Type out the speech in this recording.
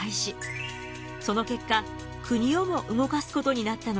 その結果国をも動かすことになったのです。